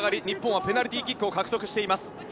日本はペナルティーキックを獲得しています。